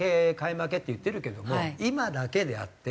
負けって言ってるけども今だけであって。